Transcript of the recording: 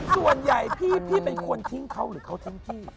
ส่วนใหญ่พี่เป็นคนทิ้งเขาหรือเขาทิ้งพี่